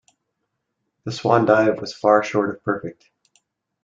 The swan dive was far short of perfect.